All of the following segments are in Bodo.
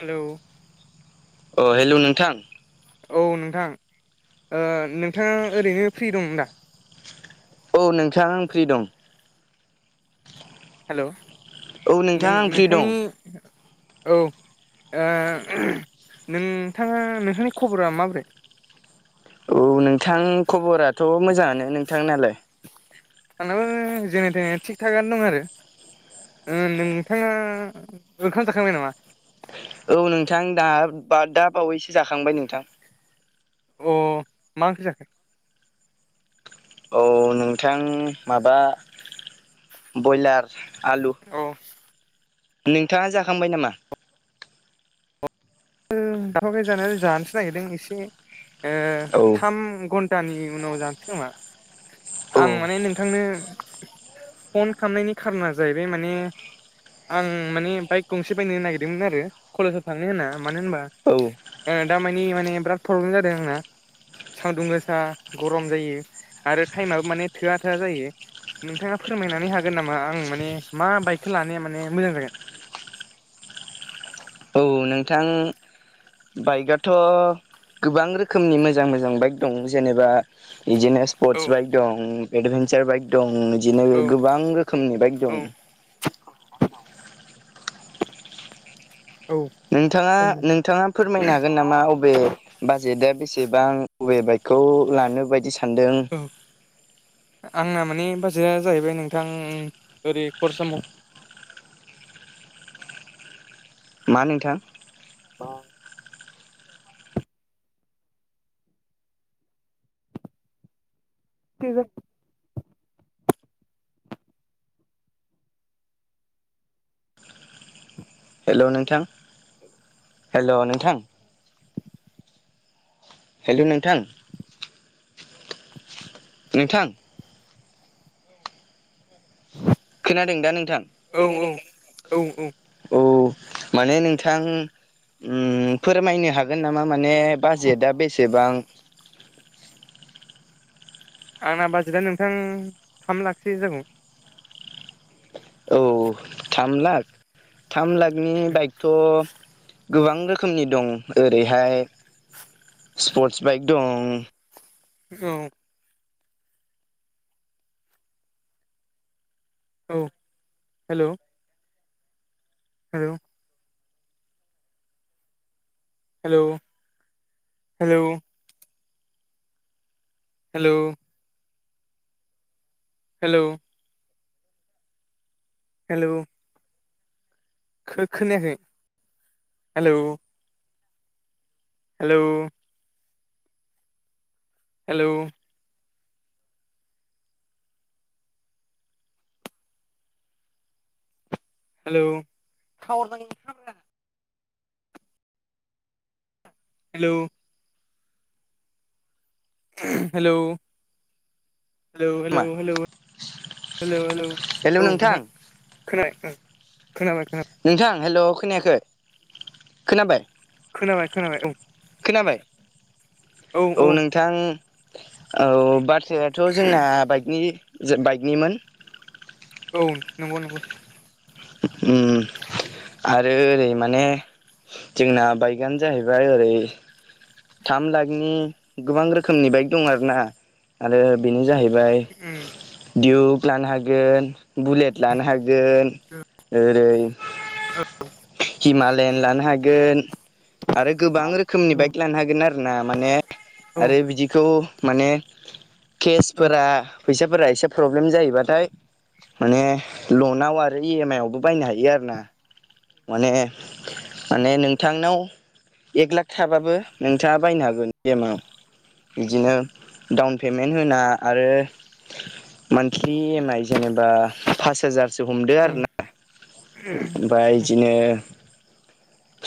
हेल' अ हेल' नोंथां। औ नोंथां ओ नोंथाङा ओरैनो फ्रि दं दा? औ नोंथां आं फ्रि दं। हेल' औ नों नोंथां आं फ्रि नोंथांनि दं औ ओ नोंथाङा नोंथांनि खबरा माब्रै? औ नोंथां खबराथ' मोजाङानो। नोंथांनालाय? आंनाबो जेने थेने थिग थाक आनो दं आरो। ओ नोंथाङा ओंखाम जाखांबाय नामा? औ नोंथां दा बा दा बावैसो जाखांबाय नोंथां। अ मा ओंख्रि जाखो? औ नोंथां माबा बयलार आलु। औ नोंथाङा जाखांबाय नामा? ओ जाथ'आखै जानायालाय जानोसो नागिरदों एसे ओ औ थाम घन्ट टानि उनाव जानोसै खोमा औ आं माने नोंथांनो फन खामनायनि खारना जाहैबाय माने आं माने बाइक गंसे बायनो नागिरदोंमोन आरो कलेजाव थांनो होनना। मानो होनबा औ ओ दामायनि माने बिराद प्रब्लेम जादों आंना। सान्दुं गोसा गरम जायो आरो टाइमाबो माने थोआ थोआ जायो। नोंथाङा फोरमायनानै हागोन नामा आं माने मा बाइकखौ लानाया माने मोजां जागोन? औ नोंथां। बाइकआथ' गोबां रोखोमनि मोजां मोजां बाइक दं जेनेबा इदिनो औ सपर्टस बाइक दं एडभेन्चार बाइक दं। दिनो गोबां रोखोमनि बाइक दं। औ नोंथाङा नोंथाङा फोरमायनो हागोन नामा अबे बाजेटआ बेसेबां अबे बाइकखौ लानो बायदि सानदों? औ आंना माने बाजेटआ जाहैबाय नोंथां ओरै खर समाव मा नोंथां? [inaudible] [inaudible] हेल' नोंथां हेल' नोंथां। हेल' नोंथां नोंथां। खोनादों दा नोंथां? औ औ औ औ। औ माने नोंथां उम फोरमायनो हागोन नामा माने बाजेटआ बेसेबां? आंना बाजेटआ नोंथां थाम लाखसो जागौ। औ थाम लाख थाम लाखनि बाइकथ' गोबां रोखोमनि दं ओरैहाय स्पर्टस बाइक दं। औ औ hello. Hello hello hello hello hello hello खो-खोनायाखै hello hello hello hello [unintelligible] hello hello hello hello मा हेलौ हेलौ हेल' नोंथां औ खोनाय खोनाबाय खोनाबाय। नोंथां हेलौ खोनायाखै खोनाबाय? खोनाबाय खोनाबाय औ खोनाबाय औ नों बिथां औ बाथ्रायाथ' जोंना बाइकनि बाइकनिमोन। औ नंगौ नंगौ। उम आरो ओरै माने जोंना बायकानो जाहैबाय ओरै थाम लाखनि गोबां रोखोमनि बाइक दं आरो ना। आरो बेनो जाहैबाय औ दिउप लानो हागोन बुलेट लानो हागोन ओरै हिमालयन लानो हागोन आरो गोबां रोखोमनि बाइक औ लानो हागोन आरो ना माने आरो बिदिखौ माने औ केसफोरा फैसाफोरा एसे प्रब्लेम जायोबाथाय माने लनाव आरो इएम आइ आवबो बायनो हायो आरो ना। माने माने नोंथांनाव एक लाख थाबाबो नोंथाङा बायनो हागोन बेमाव बिदिनो डाउन पेमेन्ट होना आरो मान्थलि एम आइ जेनेबा पास हाजारसो हमदो आरो ना। ओमफ्राय इदिनो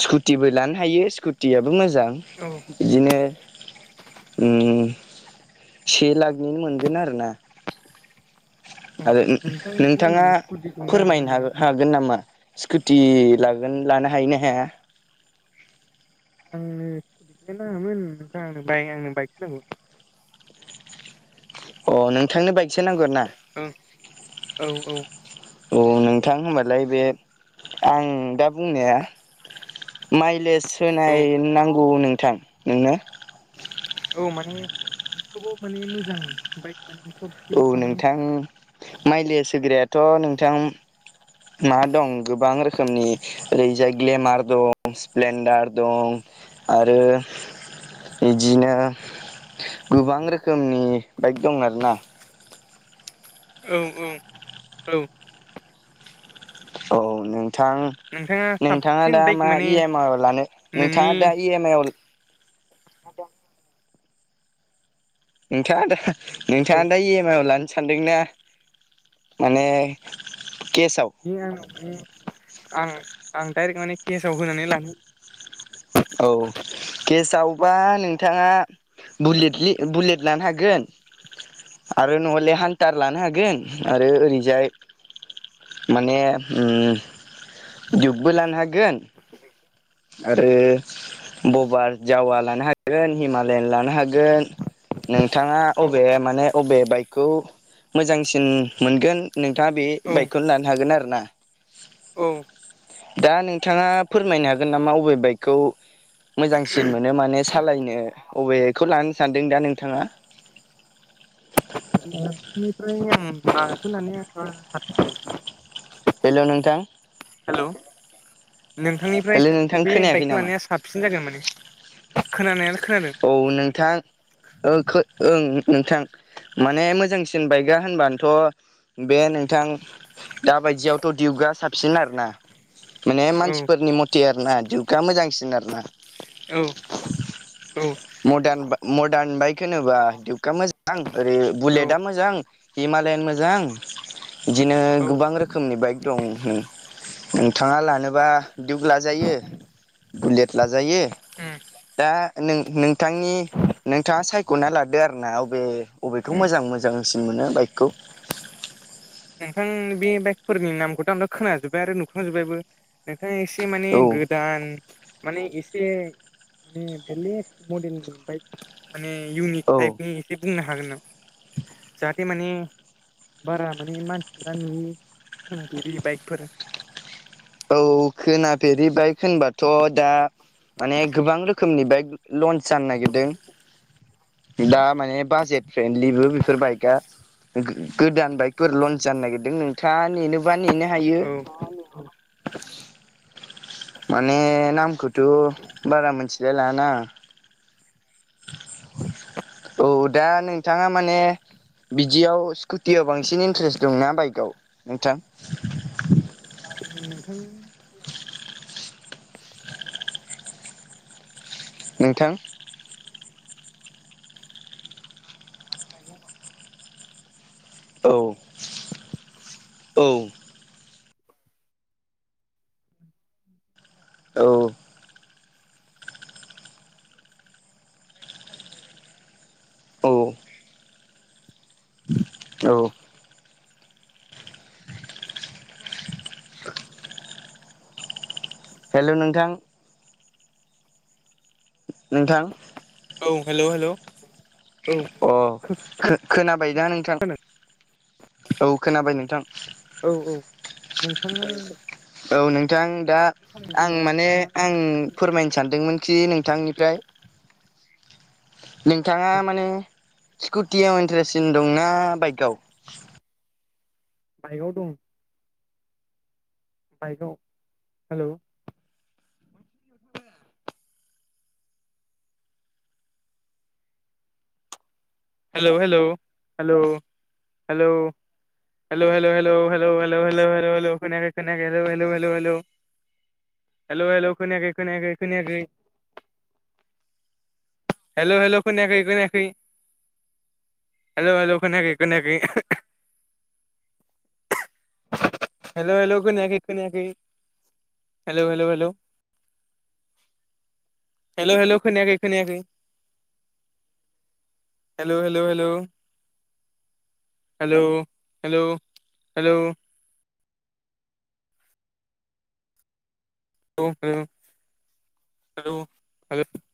स्कुटिबो लानो हायो स्कुटियाबो मोजां। औ इदिनो ओम से लाखनि मोनगोन आरो ना। आरो नोंथां दंनो नोंथाङा स्कुटिखौ नाङामोन फोरमायनो माने हागोन हागोन गोन नामा स्कुटि लागोन लानो हायो ना हाया? आंनो [unintelligible] नाङामोन नोंथां आंनो बाइ आंनो बाइकसो नांगौ। अ नोंथांनो बाइकसो नांगौ ना? ओं औ औ नोंथां होनबालाय बे आं दा बुंनाया माइलेज औ होनाय नांगौ नोंथां नोंनो? औ माने थेबाव माने मोजां बाइक माने सब औ नोंथां माइलेस होग्रायाथ' नोंथां मा दं गोबां रोखोमनि ओरैजाय ग्लेमार दं। स्प्लेन्डार दं आरो इदिनो गोबां रोखोमनि बाइक दं आरोना। औ औ औ औ नोंथां नोंथाङा नोंथाङा साबसिन दा बाइक मा माने इएम आइ लानो नोंथाङा दा इएम आइ आव आदा नोंथाङा दा बे नोंथाङा दा इएम आइ आव लानो सानदोंना माने केसाव बि आंनि माने आं आं दडाइरेक्ट माने केसाव होनानै लानो औ केसावबा नोंथाङा बुलेटलि बुलेट लानो हागोन। आरो नङले हान्थार लानो हागोन। आरो ओरैजाय माने उम डियबबो लानो हागोन। आरो बबार जावा लानो हागोन हिमालयान लानो हा गोन नोंथाङा औ अबे माने अबे बाइकखौ मोजांसिन मोनगोन नोंथाङा बे औ बाइकखौनो लानो हागोन आरो ना। औ। दा नोंथाङा फोरमायनो हागोन नामा अबे बाइकखौ मोजांसिन मोनो माने सालायनो अबेखौ लानो सानदों दा नोंथाङा। ओ बिनिफ्राय आं गाखोनानै साबसिन हेल' नोंथां। हेल' नोंथांनिफ्राय हेल' नोंथां अबे खोनायाखै बाइकखौ नामा लानाया सा साबसिन जागोन माने खोनानायालाय खोनादों। औ नोंथां ओ खो ओं नोंथां। माने मोजांसिन बाइकआ होनबानोथ' बे नोंथां। दा बायदियावथ' दिउगआ साबसिन आरोना। माने औ मानसिफोरनि मथे आरोना दिउगआ मोजांसिन आरो ना। औ औ। मडान बाइक मडार्न बाइक होनोबा दिउकआ मोजां ओरै औ बुलेटआ मोजां हिमालयान मोजां। बिदिनो औ गोबां रोखोम रोखोमनि बाइक दं नोंथाङा लानोबा दिउक लाजायो। बुलेट लाजायो। [inaudible] दा नों नोंथांनि नोंथाङा सायख'ना लादो आरो ना अबे बबेखौ मोजां मोजांसिन मोनो बाइकखौ। [inaudible] नोंथां बे बाइकफोरनि नामखौथ' आंथ' खोनाजोब्बाय आरो नुखांजोब्बायबो। नोंथाङा एसे माने औ गोदान माने एसे माने बेलेग मडेलनि बाइक माने इउनिक औ थाइपनि। बे बुंनो हागोन नामा जाहाथे माने बारा माने मानसिफोरा नुयि खोनाफेरि बाइकफोर। औ खोनाफेरि बाइक होनबाथ' दा माने गोबां रोखोमनि बाइक लन्स जानो नागिरदों। दा माने बाजेट फ्रेन्डलिबो बेफोर बाइकआ गो गोदान बाइक। फोर लन्स जानो नागिरदों। नोंथाङा नेनोबा नेनो हायो। औ माने नामखौथ' बारा मोनथिलाय लाना। औ दा नोंथाङा माने बिदियाव स्कुटियाव बांसिन इन्ट्रेस्ट दंना बाइकआव नोंथां। नोंथांनि सिगां माइगं बांसिन [inaudible] नोंथां हयौ [inaudible] औ औ। औ। औ। औ। हेल' नोंथां। नोंथां। औ हेल' हेल' औ खो खोनादों। खोनाबाय दा नोंथां? औ खोनाबाय नोंथां। औ औ नोंथां। औ नोंथां दा आं माने आं। फोरमायनो सानदोंमोनखि नोंथांनिफ्राय नोंथाङा माने स्कुटियाव इन्टारेससिन दंना बाइकआव? बाइकआव दं। बाइकआव hello. Hello hello hello hello. Hello hello hello hello hello hello hello hello hello खोनायाखै खोनायखै hello hello hello hello hello. Hello hello खोनायाखै खोनायाखै खोनायाखै। हेल' हेल' खोनायाखै खोनायाखै। हेल' हेल' खोनायाखै खोनायाखै। हेल' हेल' खोनायाखै खोनायाखै। Hello hello hello. Hello hello खोनायाखै खोनायाखै। Hello hello hello hello hello hello. [unintelligible]